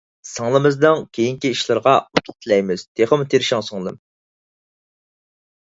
سىڭلىمىزنىڭ كېيىنكى ئىشلىرىغا ئۇتۇق تىلەيمىز، تېخىمۇ تىرىشىڭ سىڭلىم!